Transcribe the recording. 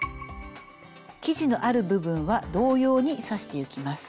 生地のある部分は同様に刺していきます。